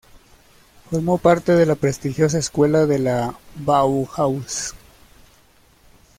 Formó parte de la prestigiosa escuela de la Bauhaus.